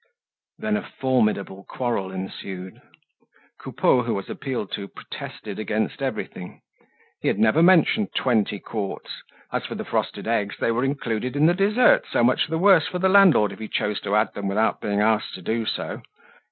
Then a formidable quarrel ensued. Coupeau, who was appealed to, protested against everything; he had never mentioned twenty quarts; as for the frosted eggs, they were included in the dessert, so much the worse for the landlord if he choose to add them without being asked to do so.